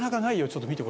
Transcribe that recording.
ちょっと見て。